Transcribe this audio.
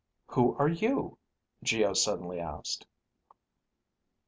"Who are you?" Geo suddenly asked.